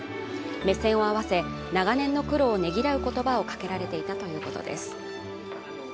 目線を合わせ、長年の苦労をねぎらう言葉をかけられていたということです